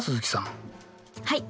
はい。